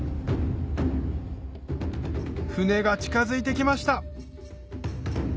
船が近づいてきました